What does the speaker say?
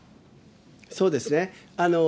そうですね。